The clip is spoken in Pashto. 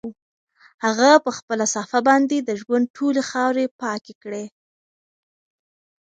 هغه په خپله صافه باندې د ژوند ټولې خاورې پاکې کړې.